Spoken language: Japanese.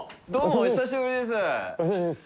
お久しぶりです。